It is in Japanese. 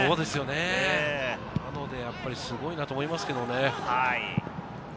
すごいなと思いますね。